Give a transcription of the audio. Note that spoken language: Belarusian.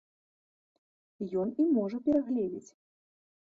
Ён і можа перагледзець.